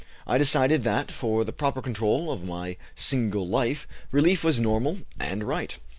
I decided that, for the proper control of my single life, relief was normal and right.